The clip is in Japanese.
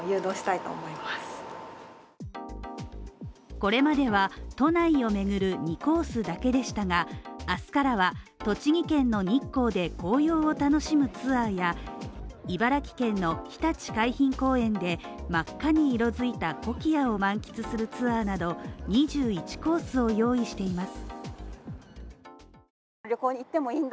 これまでは都内をめぐる２コースだけでしたが、明日からは栃木県の日光で紅葉を楽しむツアーや茨城県のひたち海浜公園で、真っ赤に色づいたコキアを満喫するツアーなど２１コースを用意しています。